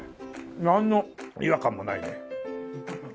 なんの違和感もないね。